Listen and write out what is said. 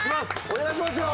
お願いしますよ！